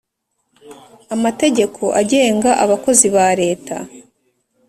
Amategeko agenga abakozi ba Leta